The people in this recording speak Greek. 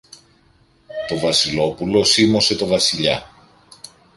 Το Βασιλόπουλο σίμωσε το Βασιλιά.